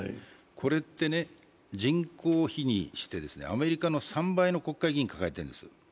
これって人口比にしてアメリカの３倍の国会議員を抱えているんです